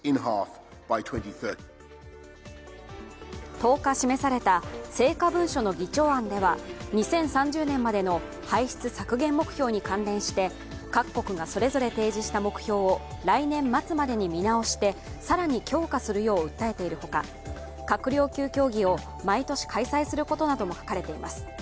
１０日示された成果文書の議長案では２０３０年までの排出削減目標に関連して各国がそれぞれ提示した目標を来年末までに見直して更に強化するよう訴えているほか閣僚級協議を毎年開催することなども書かれています。